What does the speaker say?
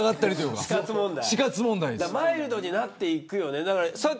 マイルドになっていくよね。